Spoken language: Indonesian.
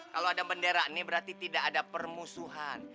kalau ada bendera ini berarti tidak ada permusuhan